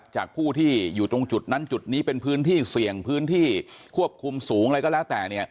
จากผู้ที่อยู่ตรงจุดนั้นจุดนี้เป็นพื้นที่เสี่ยงพื้นที่ควบคุมสูงอะไรก็แล้วแต่เนี่ย